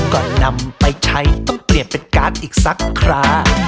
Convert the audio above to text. ก่อนนำไปใช้ต้องเปลี่ยนเป็นการ์ดอีกสักครา